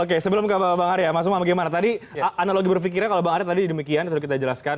oke sebelum ke bang arya mas umam bagaimana tadi analogi berpikirnya kalau bang arya tadi demikian sudah kita jelaskan